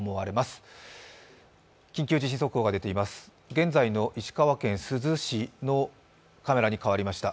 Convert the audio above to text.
現在の石川県珠洲市のカメラに変わりました。